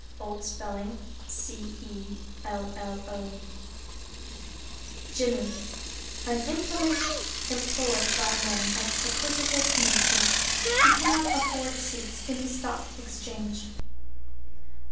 (Old spelling, Cello). =JIMMY= An implement employed by men of acquisitive natures who cannot afford seats in the Stock Exchange.